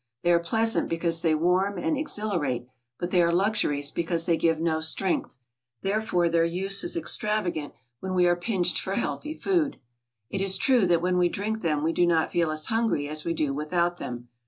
They are pleasant because they warm and exhilarate, but they are luxuries because they give no strength; therefore their use is extravagant when we are pinched for healthy food. It is true that when we drink them we do not feel as hungry as we do without them.